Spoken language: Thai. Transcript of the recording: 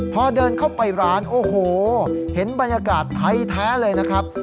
พอเดินเข้าไปร้านโอ้โหเห็นบรรยากาศไทยแท้เลยนะครับ